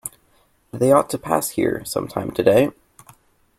They ought to pass here some time today.